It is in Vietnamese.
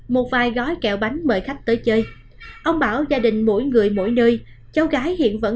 một vài gói kẹo bánh mời khách tới chơi ông bảo gia đình mỗi người mỗi nơi cháu gái hiện vẫn